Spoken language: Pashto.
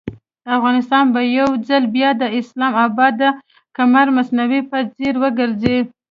افغانستان به یو ځل بیا د اسلام اباد د قمر مصنوعي په څېر وګرځي.